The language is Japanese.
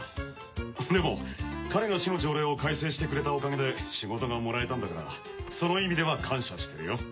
でも彼が市の条例を改正してくれたおかげで仕事がもらえたんだからその意味では感謝してるよ。